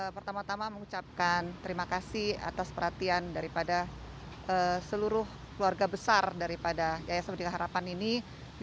pertama tama mengucapkan terima kasih atas perhatian daripada seluruh keluarga besar daripada yayasan pendidikan harapan ini